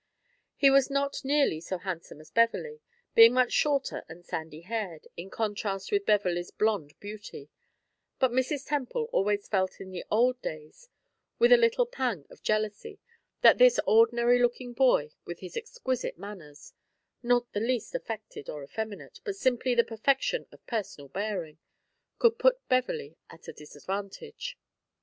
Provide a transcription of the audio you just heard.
He was not nearly so handsome as Beverley, being much shorter and sandy haired, in contrast with Beverley's blonde beauty; but Mrs. Temple always felt in the old days, with a little pang of jealousy, that this ordinary looking boy, with his exquisite manners not the least affected or effeminate, but simply the perfection of personal bearing could put Beverley at a disadvantage.